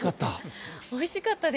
おいしかった？